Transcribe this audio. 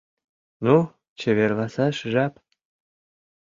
— Ну, чеверласаш жап...